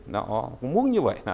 họ muốn như vậy